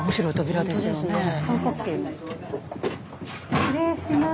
失礼します。